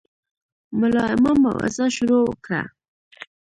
ملا امام موعظه شروع کړه.